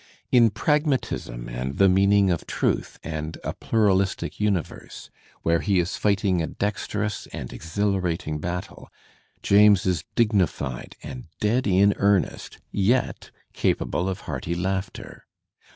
In "Pragmatism" and "The Meaning of Truth" and "A Pluralistic Universe," where he is fighting a dexterous and exhilarating battle, James is dignified and dead in earnest, yet capable of hearty laugh ter.